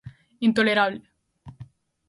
Intolerable.